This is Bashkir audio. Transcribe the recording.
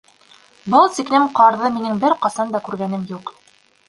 Был тиклем ҡарҙы минең бер ҡасан да күргәнем юҡ.